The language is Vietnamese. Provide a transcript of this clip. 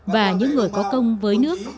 và những người có công với nước